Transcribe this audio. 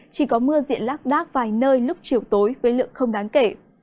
chỉ có mưa diện lác đác vài nơi lúc chiều tối với lượng không đáng kể